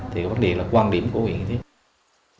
thì vấn đề là quan điểm của huyện như thế